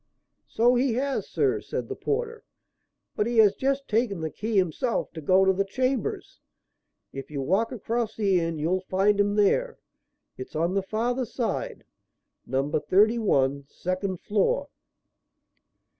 "So he has, sir," said the porter; "but he has just taken the key himself to go to the chambers. If you walk across the Inn you'll find him there; it's on the farther side; number thirty one, second floor."